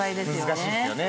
難しいですよね。